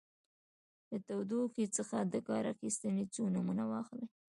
له تودوخې څخه د کار اخیستنې څو نومونه واخلئ.